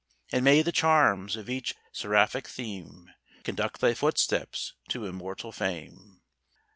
And may the charms of each seraphic theme Conduct thy footsteps to immortal fame!